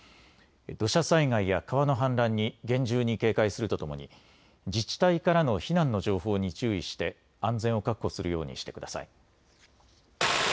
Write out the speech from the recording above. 土砂災害や川の氾濫に厳重に警戒するとともに自治体からの避難の情報に注意して安全を確保するようにしてください。